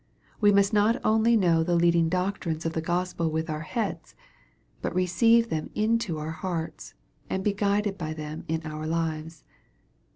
We must not only know the leading doctrines of the Gospel with our heads, but receive them into our hearts, and be guided by them in our lives.